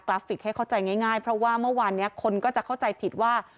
ฟิกให้เข้าใจง่ายเพราะว่าเมื่อวานนี้คนก็จะเข้าใจผิดว่า